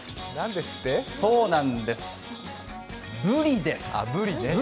そうなんです、ブリです。